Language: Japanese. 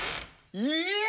いや！